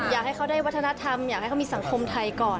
อยากให้เขาได้วัฒนธรรมอยากให้เขามีสังคมไทยก่อน